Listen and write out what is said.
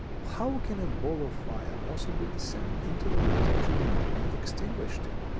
How can a ball of fire possibly descend into the water and not be extinguished?